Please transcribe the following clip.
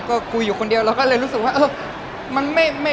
ก็คุยอยู่คนเดียวเราก็เลยรู้สึกว่าเออมันไม่